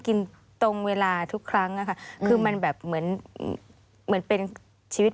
กินตรงเวลาทุกครั้งอะค่ะคือมันแบบเหมือนเหมือนเป็นชีวิต